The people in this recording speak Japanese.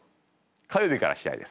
火曜日から試合です。